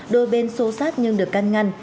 đôi bên xô xát nhưng được căn ngăn